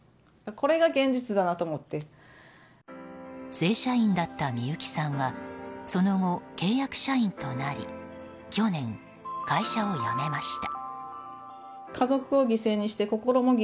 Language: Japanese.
正社員だった美由紀さんはその後、契約社員となり去年、会社を辞めました。